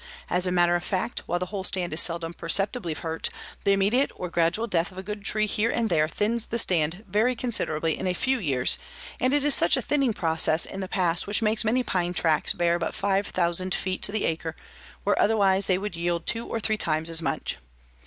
As a matter of fact, while the whole stand is seldom perceptibly hurt, the immediate or gradual death of a good tree here and there thins the stand very considerably in a few years and it is such a thinning process in the past which makes many pine tracts bear but 5,000 feet to the acre where otherwise they would yield two or three times as much.